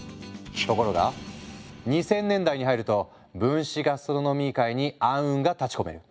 ところが２０００年代に入ると分子ガストロノミー界に暗雲が立ちこめる。